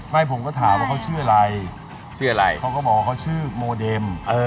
ไม่ผมก็ถามว่าเขาชื่ออะไรชื่ออะไรเขาก็บอกว่าเขาชื่อโมเดม